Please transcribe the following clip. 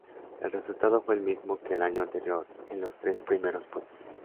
El resultado fue el mismo que el año anterior en los tres primeros puestos.